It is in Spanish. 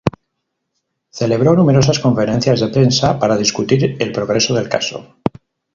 Celebró numerosas conferencias de prensa para discutir el progreso del caso.